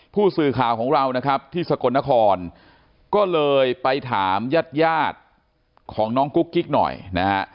ผู้สื่อข่าวของเรานะครับที่สกลนครก็เลยไปถามญาติยาดของน้องกุ๊กกิ๊กหน่อยนะฮะ